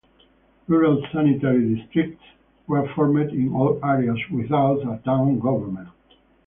Rural sanitary districts were formed in all areas without a town government.